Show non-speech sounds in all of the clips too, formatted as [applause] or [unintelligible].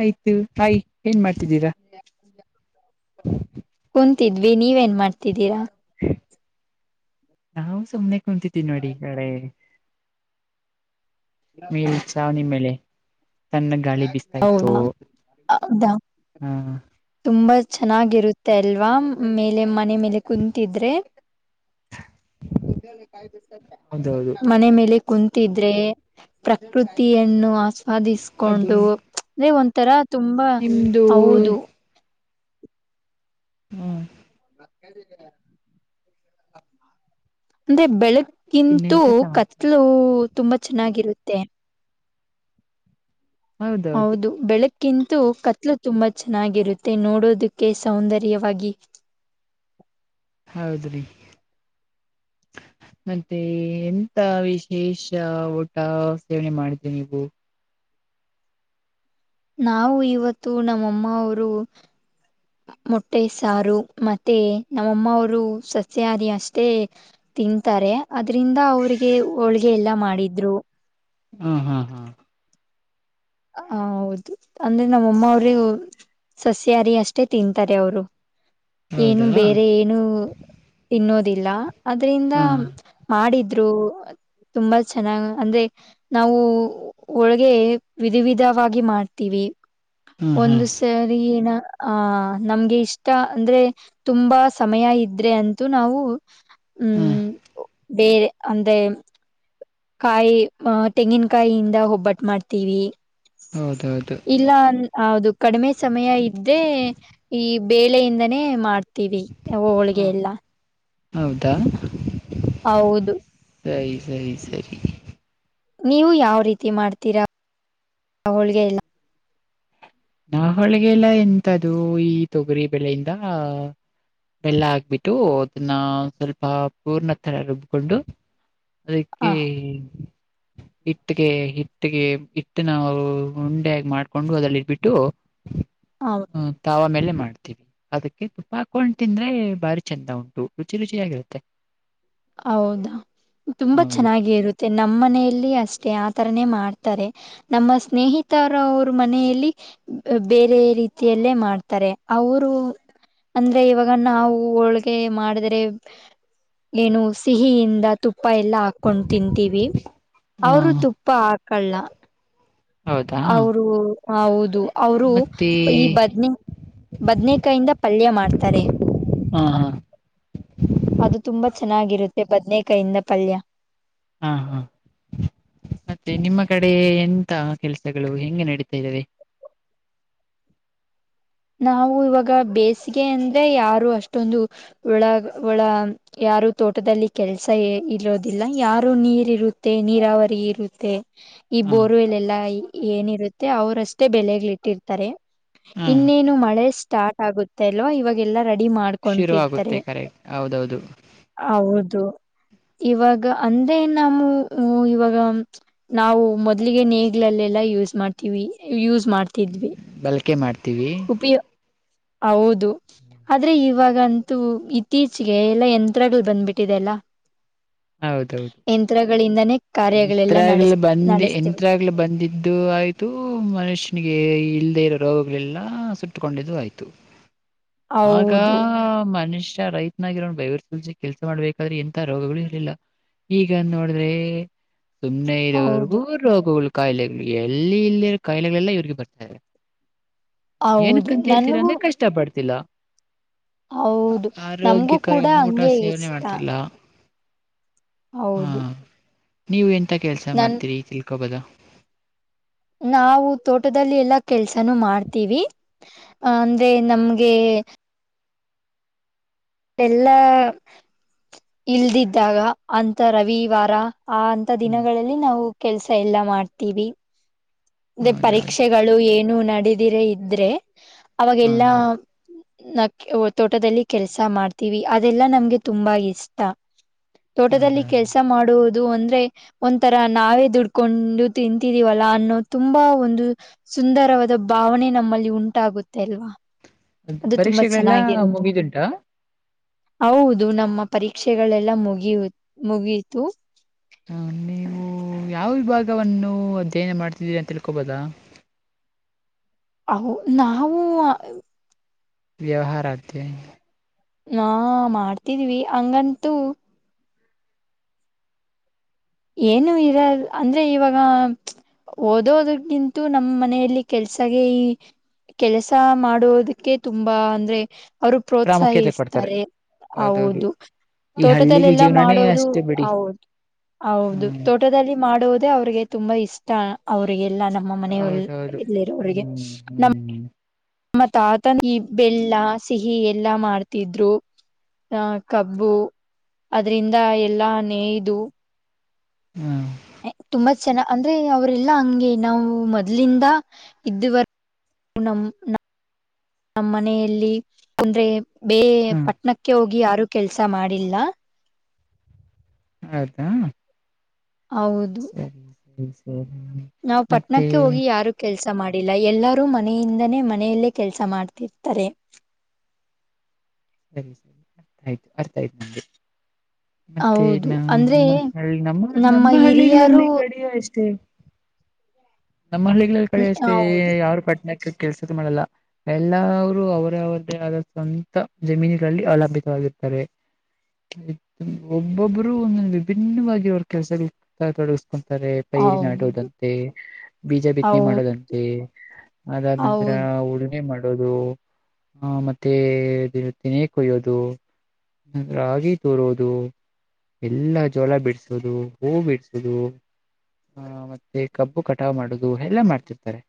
ಆಯ್ತು ಹೈ ಏನ್ ಮಾಡ್ತಿದ್ದೀರಾ. ಕುಂತಿದ್ವಿ ನೀವೇನ್ ಮಾಡ್ತಿದ್ದೀರಾ. ನಾವು ಸುಮನೆ ಕುಂತಿದ್ವಿ ನೋಡಿ ಕಡೆ. ಮೇಲ್ ಚಾವಣಿ ಮೇಲೆ. ತಣ್ಣಗ ಗಾಳಿ ಬಿಸ್ತಾ ಇಯ್ತು ಹೌದಾ ಹಾ. ತುಂಬಾ ಚೆನ್ನಾಗಿರುತ್ತೆ ಅಲ್ವಾ ಮೇಲೆ ಮನೆ ಮೇಲೆ. ಕುಂತಿದ್ರೆ ಹೌದೌದು [inaudible] ಮನೆ ಮೇಲೆ ಕುಂತಿದ್ರೆ ಪ್ರಕೃತಿಯನ್ನು ಅದು ಆಸ್ವಾದಿಸ್ಕೊಂಡು ಅಂದ್ರೆ ಒಂಥರ ತುಂಬಾ ನಿಮ್ದು ಹೌದು ಹ್ಮ್ [inaudible] ಅಂದ್ರೆ ಬೆಳಗ್ಗಿಂತೂ ಇನ್ನೆಂತ ಸಮಾಚಾರ ಕತ್ಲು ತುಂಬಾ ಚೆನ್ನಾಗಿರುತ್ತೆ ಹೌದೌದು ಹೌದು ಬೆಳಗ್ ಕಿಂತ್ತು ಕತ್ಲು ತುಂಬಾ ಚೆನ್ನಾಗಿರುತ್ತೆ ನೋಡೋದಕ್ಕೆ ಸೌಂದರ್ಯವಾಗಿ ಹೌದ್ರಿ ಮತ್ತೆ ಎಂತ ವಿಶೇಷ ಊಟ ಸೇವನೆ ಮಾಡಿದ್ರಿ ನೀವು ನಾವು ಇವತ್ತು ನಮ್ಮಮ್ಮ ಅವರು ಮೊಟ್ಟೆ ಸಾರು ಮತ್ತೆ ನಮ್ಮಮ್ಮವರು ಸಸ್ಯಹಾರಿ ಅಷ್ಟೇ ತಿಂತಾರೆ ಅದ್ರಿಂದ ಅವ್ರಿಗೆ ಹೋಳ್ಗೆ ಎಲ್ಲಾ ಮಾಡಿದ್ರು. ಹಾ ಹಾ ಹಾ ಹ ಹೌದು ಅಂದ್ರೆ ನಮ್ಮಮ್ಮ ಅವ್ರೇ ಸಸ್ಯಹಾರಿ ಅಷ್ಟೇ ತಿಂತಾರೆ ಅವರು ಏನು ಹೌದಾ ಬೇರೆ ಏನು ತಿನ್ನೋದಿಲ್ಲ.. ಅದ್ರಿಂದ ಹಾ ಹಾಡಿದ್ರು ತುಂಬಾ ಚೆನ್ನಾಗಿ ಅಂದ್ರೆ ನಾವು ಒಳಗೆ ವಿಧ ವಿಧವಾಗಿ ಮಾಡ್ತೀವಿ ಹಾ [inaudible] ಹಾ ಒಂದು ಸು ಸರಿ ನಾ ಆ ನಮ್ಗೆ ಇಷ್ಟ ಅಂದ್ರೆ. ತುಂಬಾ ಸಮಯ ಇದ್ರೆ ಅಂತೂ ನಾವು ಹಾ ಹ್ಮ್ ಬೇರೆ ಅಂದೇ ಕಾಯಿ ಅ ಟೆಂಗಿನಕಾಯಿಯಿಂದ ಒಬ್ಬಟ್ಟ ಮಾಡ್ತೀವಿ. ಹೌದೌದು [inaudible] ಇಲ್ಲ ಹೌದು ಕಡಿಮೆ ಸಮಯ ಇದ್ದೆ ಈ ಬೇಳೆಯಿಂದನೇ ಮಾಡ್ತ ಅವ ಹ ಹೋಳಿಗೆ ಎಲ್ಲ ಹೌದಾ ಹೌದು ಸರಿ ಸರಿ ಸರಿ ನೀವು ಯಾವ ರೀತಿ ಮಾಡ್ತೀರಾ [inaudible] ಹೋಳಿಗೆ ಎಲ್ಲ ನಾ ಹೊಳಿಗೆಲ್ಲಾ ಎಂತ್ದ ಈ ತೊಗರಿ ಬೆಳೆಯಿಂದಾ... ಬೆಲ್ಲ ಹಾಕ್ಬಿಟ್ಟು ಅದನ್ನ ಸ್ವಲ್ಪ ಪೂರ್ಣತರ ರುಬ್ಕೊಂಡು ಅದಕ್ಕೆ ಹ ಹಿಟ್ಟೆಗೆ ಹಿಟ್ಟೆಗೆ ಹಿಟ್ಟನಾ ನಾ ಉಂಡೆಗಿ ಮಾಡ್ಕೊಂಡು ಅದಲ್ಲಿ ಇದರ್ಬಿಟ್ಟು ಹೌ ಹ್ಮ ತಾವ ಆಮೇಲೆ ಮಾಡ ಅದಕ್ಕೆ ತುಪ್ಪ ಹಾಕೊಂಡು ತಿಂದ್ರೆ ಬಾರಿ ಚೆಂದ ಉಂಟು ರುಚಿ ರುಚಿಯಾಗಿರುತ್ತೆ ಹೌದಾ ತುಂಬಾ ಹೌದು ಚೆನ್ನಾಗಿ ಇರುತ್ತೆ ನಮ್ಮ ಮನೆಯಲ್ಲಿ ಅಷ್ಟೇ ಆತಾರನೇ ಮಾಡ್ತಾರೆ. ನಮ್ಮ ಸ್ನೇಹಿತರ ಅವರು ಮನೆಯಲ್ಲಿ ಬೇರೆ ರೀತಿಯಲ್ಲೇ ಮಾಡ್ತಾರೆ ಅವರು ಅಂದ್ರೆ ಇವಾಗ ನಾವು ಹೋಳ್ಗೆ ಮಾಡಿದ್ರೆ ಏನು ಸಿಹಿಯಿಂದ ತುಪ್ಪ ಎಲ್ಲಾ ಹಾಕೊಂಡ ತಿಂತೀವಿ [inaudible] ಹ ಅವರು ತುಪ್ಪ ಕಳ್ಳ ಹೌದಾ ಅವರು ಹೌದು ಅವರು ಮತ್ತೆ ಈ ಬದ್ನಿ ಬದ್ನೇಕಾಯಿಂದ ಪಲ್ಯ ಮಾಡ್ತಾರೆ. ಹಾ ಹಾ ಅದು ತುಂಬಾ ಚೆನ್ನಾಗಿರತ್ತೆ ಬದ್ನೇಕಾಯಿಂದ ಪಲ್ಯ. ಹಾ ಹಾ ಮತ್ತೆ ನಿಮ್ಮ ಕಡೆ ಎಂತ ಕೆಲಸಗಳು ಹೆಂಗೆ ನಡೀತಾ ಇದವೆ. ನಾವು ಇವಾಗ ಬೇಸಿಗೆ ಅಂದ್ರೆ ಯಾರು ಅಷ್ಟೊಂದು ಒಳಗ ಒಳ ಯಾರು ತೋಟದಲ್ಲಿ ಕೆಲಸ ಇರೋದಿಲ್ಲ ಯಾರು ನೀರಿರುತ್ತೆ ನೀರಾವರಿ ಇರುತ್ತೆ. ಈ ಹ ಬೋರ್ವೆಲ್ ಎಲ್ಲಾ ಏನಿರುತ್ತೆ ಅವ್ರಷ್ಟೇ ಬೆಲೆಗ್ಲಿ ಇಟ್ಟಿರ್ತಾರೆ. ಹ ಇನ್ನೇನು ಮಳೆ ಸ್ಟಾರ್ಟ್ ಆಗುತ್ತೆ ಅಲ್ವಾ ಇವಾಗೆಲ್ಲಾ ರೆಡಿ ಮಾಡ ಶುರು ಆಗುತ್ತೆ ಕರೆ ಹೌದೌದು. ಹೌದು ಇವಾಗ ಅಂದೇ ನಮೂ ಹ್ಮ್ ಇವಾಗ ನಾವು ಮೊದ್ಲಿಗೆ ನೇಗ್ಲಿಲ್ಲೆಲ್ಲಾ ಯೂಸ್ ಮಾಡ್ತೀವಿ ಯೂಸ್ ಮಾಡ್ತಿದ್ವಿ. ಬಲ್ಕೆ ಮಾಡ್ತೀವಿ. ಉಪಿ ಹೌದು. ಆದ್ರೆ ಇವಾಗಂತೂ ಇತ್ತೀಚಿಗೆ ಎಲ್ಲಾ ಯಂತ್ರಗಳ ಬಂದ್ಬಿಟ್ಟಿದೆಲ್ಲ. ಹೌದು ಯಂತ್ರಗಳಿಂದಾನೇ ಕಾರ್ಯಗಳೆಲ್ಲ ಎಂತ್ರಗಲ ನಡೆಸ್ ಬಂದ ನಡೆಸ್ತೀವಿ ಎಂತ್ರಾಗ್ಲ ಬಂದಿ ಇದು ಆಯಿತು ಮನುಷ್ಯನಿಗೆ ಇಲ್ಲದೆೇ ಇರೋ ರೋಗಗಳೆಲ್ಲ ಸುಟ್ಟುಕೊಂಡಿದ್ದು ಆಯಿತು. [inaudible] ಆಗ ಹೌದು ಮನಷ್ಯ ರೈತನಾಗಿರೋ ಬೇವರ ಸುಲ್ಸಿ ಕೆಲ್ಸ ಮಾಡ್ಬೇಕಾದ್ರೆ ಎಂತ ರೋಗಗಳು. ಇಲ್ಲಾ ಈಗ ನೋಡ್ರೆ ಸುಮ್ನೆ ಇದರೋವರ್ಗೂ ಹೌದು ರೋಗಗಳು ಕಾಯಿಲೆ ಎಲ್ಲಿ ಇಲ್ಲೀ ಕಾಯಿಲೆಗಳೆಲ್ಲ ಇವ್ರಿಗ ಬರ್ತಾವೆ. ಏನಕ್ಕ ಹೌದು ಹಂಗ ಕೆಳ್ತೀರ ನನ್ಗೂ ಅಂದ್ರೆ ಕಷ್ಟ ಪಡ್ತಿಲ್ಲ. ಹೌದು ನಮ್ಮಗೂ ಆರೋಗ್ಯಕರ ಕೂಡ ಊಟ ಹಂಗೆ ಸೇವನೆ ಇಷ್ಟ. ಮಾಡ್ತಿಲ್ಲ ಹೌದು. ನೀವ ಎಂತ ಕೆಲ್ಸ ನನ್ ಮಾಡ್ತೀರಿ ತಿಳ್ಕೊಬೋದ. ನಾವು ತೋಟದಲ್ಲಿ ಎಲ್ಲಾ ಕೆಲ್ಸನು ಮಾಡ್ತೀವಿ. ಅಂದ್ರೆ ನಮ್ಗೆ ಎಲ್ಲಾ ಇಲ್ದಿದ್ದಾಗ ಅಂತ ರವಿವಾರ ಆ ಅಂತ ಹ್ಮ್, ದಿನಗಳ ಲಿ ನಾ ಕೆಲಸ ಎಲ್ಲ ಮಾಡ್ತವಿ ರೇ ಹೌದೌದು ಪರೀಕ್ಷೆಗಳ ಏನು ನಡೆದಿರ ಇದ್ರೆ ಅವಾಗೆಲ್ಲಾ ಹೌದೌದು ನ ತೋಟದಲ್ಲಿ ಕೆಲ್ಸ ಮಾಡ್ತೀವಿ ಅದೆಲ್ಲಾ ನಮ್ಗೆ ತುಂಬಾ ಇಷ್ಟ. ತೋಟದಲ್ಲಿ ಹೌದೌದು ಕೆಲ್ಸ ಮಾಡು ದು ಅಂದ್ರೆ ಒಂತರ ನಾವೇ ದುಡ್ಕೊಂಡು ತಿಂತಿದೀವಲ್ಲಾ ಅನ್ನೋ ತುಂಬಾ ಒಂದು ಸುಂದರವಾದ ಭಾವನೆ ನಮ್ಮಲ್ಲಿ ಉಂಟಾಗುತ್ತೆ ಅಲ್ವಾ. ಅದು ತುಂಬಾ ಪರೀಕ್ಷೆಗಳೆಲ್ಲಾ ಚೆನ್ನಾಗಿರುತ್ತೆ ಮುಗಿದುಂಟಾ. ಹೌದು ನಮ್ಮ ಪರೀಕ್ಷೆಗಳೆಲ್ಲ ಮುಗಿಯು ಮುಗಿತು. ಹ ನೀವು ಯಾವ ವಿಭಾಗವನ್ನು ಅಧ್ಯಯನ ಮಾಡ್ತಿದ್ದೀರ ತಿಳ್ಕೊಬೋದಾ. ಅಹೋ ನಾವು ವ್ಯಹಾರ ಆದ್ಯ ನಾ ಮಾಡ್ತಿದ್ವಿ ಹಂಗಂತೂ ಏನು ಇರ ಅಂದ್ರೆ ಇವಾಗ ಓದೋದಗಿಂತೂ ನಮ್ಮ ಮನೆಯಲ್ಲಿ ಕೆಲ್ಸಾಗೆ ಕೆಲಸ ಮಾಡುದಕ್ಕೆ ತುಂಬಾ ಅಂದ್ರೆ ಅವರು ಪ್ರಾಮುಖ್ಯತೆ ಕೊಡ್ತಾರೆ ಪ್ರೋತ್ಸಾಹಿಸ್ತಾರೆ ಹೌದೌದು. ಹೌದು. ಈ ಹಳ್ಳಿಲಿ ತೋಟದಲ್ಲೆಲ್ಲಾ ಜೀವನನೇ ಮಾಡೋದು ಅಷ್ಟೇ ಬಿಡಿ ಹೌದು. ಹೌದು ಹ್ಮ್ ತೋಟದಲ್ಲಿ ಮಾಡುವುದೇ ಅವ್ರಿಗೆ ತುಂಬಾ ಇಷ್ಟ ಅವ್ರರಿಗೆಲನು. ನಮ್ಮ ಹೌದೌದು. ಮನೆಯಲ್ಲಿ ಇರುವರಿಗೆ. ಹ್ಮ್ ಹ್ಮ್ ನಮ್ಮ ತಾತಾನೆ ಈ ಬೆಲ್ಲ ಸಿಹಿ ಎಲ್ಲಾ ಮಾಡ್ತಿದ್ರು. ಆ ಕಬ್ಬು ಅದ್ರಿಂದ ಎಲ್ಲಾ ನೇಯ್ದು. ಹ್ಮ ಅದು ಚೆನ್ನ ಅಂದ್ರೆ ಅವ್ರಲ್ಲಾ ಹಂಗೆ ನಾವು ಮೊದ್ಲಿಂದ ಇದುವರ. ನ ನಮ್ಮ ಮನೆಯಲ್ಲಿ ಅಂದ್ರೆ ಹ್ಮ್ ಪಟ್ಟಣಕ್ಕೆ ಹೋಗಿ ಯಾರು ಕೆಲ್ಸ ಮಾಡಿಲ್ಲ. ಹೌದ ಸರಿ [unintelligible] ನಾವ್ ಮತ್ತೆ ಪಟ್ಣಕ್ಕೆ ಹೋಗಿ ಯಾರು. ಕೆಲಸ ಮಾಡಿಲ್ಲ ಎಲ್ಲರೂ ಮನೆಯಿಂದನೇ ಮನೆಯಲ್ಲೇ ಕೆಲಸ ಮಾಡ್ತಿರ್ತಾರೆ. ಸರಿ ಸರಿ ಅರ್ಥ ಆಯ್ತು ಅರ್ಥ ಆಯ್ತು ನಂಗೆ. ಮತ್ತೆ ಹೌದು ನಾ ಅಂದ್ರೆ ನಿಮ್ಮ ನಮ್ಮ ನಮ್ಮ ಹಳ್ಳಿಗಳಲ್ಲಿ ಕಡಿಯ ಅಷ್ಟೇ. ನಮ್ಮ ಹಳ್ಳಿಲ್ಲಿ ಕಳಿ ಅಷ್ಟೇ ಹೌದು ಯಾರ್ ಪಟ್ಟಣಕ್ಕೆ ಕೆಲ್ಸದ್ ಮಾಡಲ್ಲ. ಎಲ್ಲರು ಅವರೇ ಅವರದೇ ಆದ ಸ್ವಂತ ಜಮೀನುಗಳಲ್ಲಿ ಅವಲಂಬಿತವಾಗಿರ್ತಾರೆ. ಒಬ್ಬೊಬ್ಬರು ಒಂದೊಂದು ವಿಭಿನ್ನವಾಗಿ ಅವ್ರ ಕೆಲ್ಸಗಳ ತೊಡಗಿಸಕೊಂತತಾರೆ. ಪೈರಿ ಹೌದು ನಾಟುವುದಂತೆ ಬೀಜ ಬಿತ್ತನೆ ಹೌದು ಮಾಡದಂತೆ ಅದಾದ ನಂತರ. ಹೌದು ಉಳಿಮೆ ಮಾಡೋದು ಆ ಮತ್ತೆ ತಿನೇ ಕೊಯ್ಯೋದು ರಾಗಿ ತೋರೋದು. ಎಲ್ಲ ಜೋಲ ಬಿಡಸುದು ಹೂ ಬಿಡ್ಸುದು ಆ ಮತ್ತೆ ಕಬ್ಬು ಕಟ್ಟ. ಟಾ ಮಾಡುದು ಎಲ್ಲ ಮಾಡ್ತಿರ್ತಾರೆ.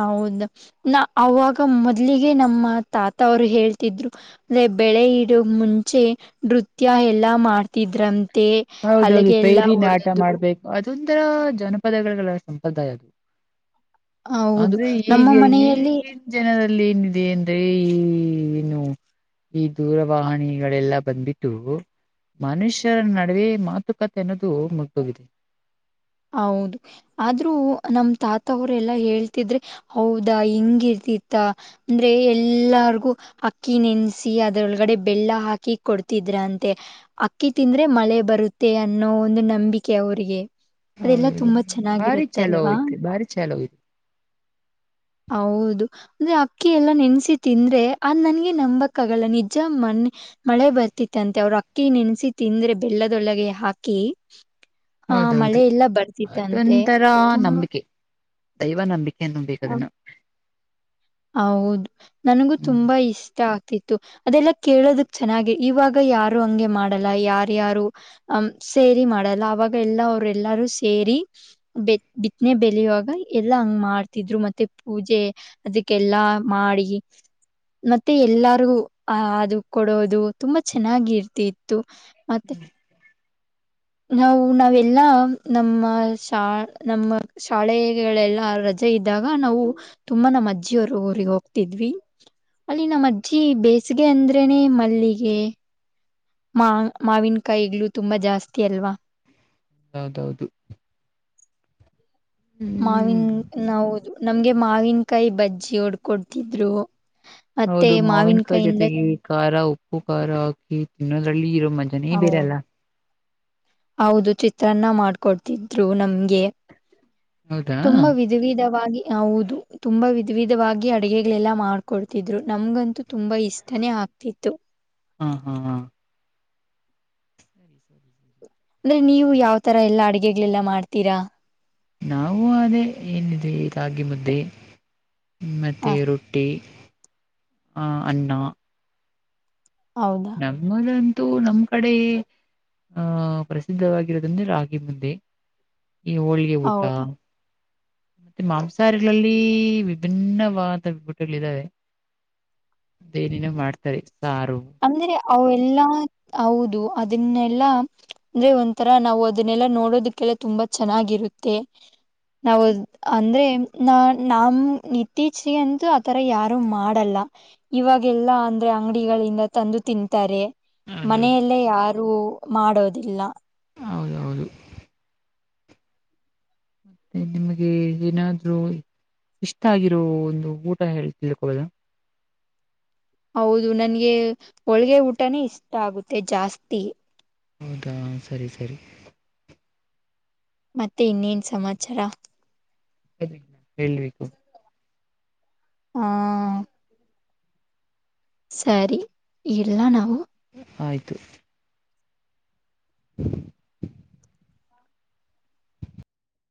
ಹೌದ ನ ಅವಾಗ ಮೊದ್ಲಿಗೆ ನಮ್ಮ ತಾತ ಅವ್ರು ಹೇಳ್ತಿದ್ರು. ಅದೇ ಬೆಳೆ ಇಡೋ ಮುಂಚೆ ನೃತ್ಯ ಎಲ್ಲಾ ಮಾಡ್ತಿದ್ರಂತೆ. ಮತ್ತೆ ಹಲಗೆ ಎಲ್ಲ ಒಡೆದು. ಅದೊಂದರ ಜನಪದಗಳಲ್ಲ ಸಂಪ್ರದಾಯ ಅದು. ಹೌದು ಅಂದ್ರೆ ನಮ್ಮ ಈಗ ಮನೆಯಲ್ಲಿ ಈಗ. ಜನದಲ್ಲಿ ಏನಿದೆ ಅಂದ್ರೆ ಈ ಏನು. ಈ ದೂರವಣಿಗಳೆಲ್ಲ ಬಂದಿಟ್ಟು ಮನುಷ್ಯರ ನಡ. ಬರೀ ಮಾತುಕತೆ ಅನ್ನೋದು ಮುಗಿದು ಹೋಗಿದೆ. ಹೌದು ಆದ್ರೂ ನಮ ತಾತ ಅವ್ರ ಎಲ್ಲಾ ಹೇಳ್ತಿದ್ರೆ. ಹೌದಾ ಹಿಂಗಿರ್ತಿತ್ತ ಅಂದ್ರೆ ಎಲ್ಲಾರ್ಗು ಅಕ್ಕಿ ನೆನ್ಸಿ ಅದ್ರೊಳಗಡೆ ಬೆಲ್ಲ ಹಾಕಿ ಕೊಡ್ತಿದ್ರಂತೆ. ಅಕ್ಕಿ ತಿಂದ್ರೆ ಮಳೆ ಬರುತ್ತೆ ಅನ್ನೋ ಒಂದು ನಂಬಿಕೆ ಅವರಿಗೆ. ಬಾರಿ ಚಲೋ ಅಲ್ವಾ ಆಯ್ತು ಭಾರಿ ಚಲೋ ಅಯ್ತೆ. ಹೌದು ಅಂದ್ರೆ ಅಕ್ಕಿ ಎಲ್ಲಾ ನೆನ್ಸಿ ತಿಂದ್ರೆ ಅದ್ ನನ್ಗೆ ನಂಬಕ್ಕ ಆಗಲ್ಲ ನಿಜ ಮಳೆ. ಮಳೆ ಬರ್ತಿತ್ತಂತೆ ಅವ್ರ ಅಕ್ಕಿ ನೆನ್ಸಿ ತಿಂದ್ರೆ ಬೆಲ್ಲದೊಳಗೆ ಹಾಕಿ ಹಾ ಮಳೆ ಇಲ್ಲ ಅದೊಂತರ ನಂಬಿಕೆ. ದೈವ ನಂಬಿಕೆನ್ನು ಬೇಕದನ್ನು ಹೌದು ನನಗೂ ತುಂಬಾ ಇಷ್ಟ. ಅದೆಲ್ಲಾ ಕೇಳೋದಕ್ ಚೆನ್ನಾಗಿ ಇವಾಗ ಯಾರು ಹಂಗೆ ಮಾಡಲ್ಲ ಯಾರ್ಯಾರು. ಅ್ ಸೇರಿ ಮಾಡಲ್ಲ ಅವಾಗ ಎಲ್ಲ ಅವರು ಎಲ್ಲಾರೂ ಸೇರಿ ಬೆ ಬಿತ್ತನೆ ಬೆಲೆಯುವಾಗ ಎಲ್ಲಾ ಹಂಗ ಮಾಡ್ತಿದ್ರು ಮತ್ತೆ ಪೂಜೆ ಅದಕ್ಕೆ ಕ್ಕೆ ಎಲ್ಲಾ ಮಾಡಿ ಮತ್ತೆ ಎಲ್ಲರಿಗು ಅ ಅದು ಕೊಡೋದು ತುಂಬಾ ಚೆನ್ನಾಗಿರ್ತಿ ಇತ್ತು ಮತ್ತೆ ನಾವು ನಾವೆಲ್ಲಾ ನಮ್ಮ ಶಾ ನಮ್ಮ ಶಾಲೆಗಳೆಲ್ಲಾ ರಜೆ ಇದ್ದಾಗ ನಾವು ತುಂಬಾ ನಮ್ಮ ಅಜ್ಜಿಯವರು ಊರಿಗೆ ಹೋಗ್ತಿದ್ವಿ ಅಲ್ಲಿ ನಮ್ಮ ಅಜ್ಜಿ ಬೇಸಿಗೆ ಅಂದ್ರೇನೆ ಮಲ್ಲಿಗೆ ಮಾ ಮಾವಿನ ಕಾಯಿಗ್ಗಳು ತುಂಬಾ ಜಾಸ್ತಿ ಅಲ್ವಾ ಹೌದೌದು ಹ್ಮ್ ಮಾವಿನ್ ನವದು ನಮ್ಗೆ ಮಾವಿನಕಾಯಿ ಬಜ್ಜಿ ಹೊಡ್ಕೊಡ್ತಿದ್ರು ಮತ್ತೆ ಹೌದು ಮಾವಿನಕಾಯಿ ಮಾವಿನಕಾಯಿಂದ ಜೊತೆಗೆ ಖಾರ ಉಪ್ಪು ಖಾರ ಹಾಕಿ ತಿನ್ನೋದ್ರಲ್ಲಿ ಇರೋ ಮಂ ನೀ ಹೌದು ಬೇರೆಲ್ಲ ಹೌದು ಚಿತ್ರಾನ್ನ ಮಾಡ್ಕೊಡ್ತಿದ್ರು ನಮ್ಗೆ ಹೌದಾ ತುಂಬಾ ವಿಧ ವಿಧವಾಗಿ ಹೌದು ತುಂಬಾ ವಿಧ ವಿಧವಾಗಿ ಅಡಗೆಗಳೆಲ್ಲ ಮಾಡ್ಕೊಡ್ತಿದ್ರು ನಮ್ಗಂತೂ ತುಂಬಾ ಇಷ್ಟ ನೇ ಆಗ್ತಿತ್ತು ಹಾ ಹಾ ಹ ಸರಿ ಸರಿ ಅಂದ್ರೆ ನೀವು ಯಾವ ತರ ಎಲ್ಲಾ ಅಡಗೆಗಳೆಲ್ಲ ಮಾಡ್ತೀರಾ?? ನಾವು ಅದೇ ಏನಿದೆ ರಾಗಿ ಮುದ್ದೆ ಮತ್ತೆ ಹ ರೊಟ್ಟಿ ಅನ್ನಾ ಹೌದು ನಮ್ಮಲದಂತೂ ನಮ್ ಕಡೆ ಆಹ ಪ್ರಸಿದ್ಧವಾಗಿರೋದಂದ್ರೆ ರಾಗಿ ಮುದ್ದೆ ಈ ಹೋಳಿಗೆ ಊಟ ಹೌದಾ ಮತ್ತೆ ಮಾಂಸಹಗಳಲ್ಲಿ ವಿಭಿನ್ನವಾದ ಪುಡ್ ಗಳ ಇದಾವೆ ಅ ಏನೇನೋ ಮಾಡ್ತಾರೆ ಸಾರು ಅಂದ್ರೆ ಅವೆಲ್ಲಾ ಹೌದು ಅದನ್ನೆಲ್ಲಾ ಅಂದ್ರೆ ಒಂಥರಾ ನಾವು ಅದನ್ನೆಲ್ಲಾ ನೋಡೋದಕ್ಕೆಲ್ಲ ತುಂಬಾ ಚೆನ್ನಾಗಿರುತ್ತೆ ನಾವು ಅಂದ್ರೆ ನ ನಾನು ಇತ್ತೀಚಿಗೆ ಅಂತೂ ಆತರ ಯಾರು ಮಾಡಲ್ಲ ಇವಾಗ ಎಲ್ಲಾ ಅಂದ್ರೆ ಅಂಗಡಿಗಳಿಂದ ತಂದು ತಿಂತಾರೆ ಹೌದು ಮನೆಯಲ್ಲೇ ಯಾರು ಮಾಡೋದಿಲ್ಲಾ ಹೌದೌದು ನಿಮಗೆ ಏನಾದ್ರೂ ಇಷ್ಟ ಆಗಿರೋ ಒಂದು ಊಟ ಹೇಳಿ ತಿಳ್ಕೊಳ್ಳೋದ ಹೌದು ನನ್ಗೆ ಹೋಳಗೆ ಊಟನೇ ಇಷ್ಟ ಆಗುತ್ತೆ ಜಾಸ್ತಿ ಹೌದಾ ಸರಿ ಸರಿ ಮತ್ತೆ ಇನ್ನೇನ್ ಸಮಾಚಾರ ಅ ಹೇಳ್ಬೇಕು ಹ ಸರಿ.. ಇಲ್ಲ ನಾವು ಆಯ್ತು [inaudible]